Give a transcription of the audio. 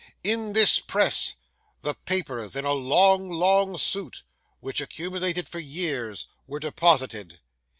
In this press, the papers in a long, long suit, which accumulated for years, were deposited.